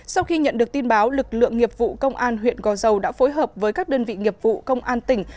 sau khi nhận được tin báo lực lượng nghiệp vụ công an huyện gò dầu đã phối hợp với các đơn vị nghiệp vụ công an tỉnh